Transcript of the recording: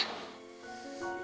tidak pasti ibu